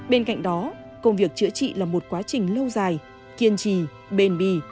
bên cạnh đó công việc chữa trị là một quá trình lâu dài kiên trì bền bì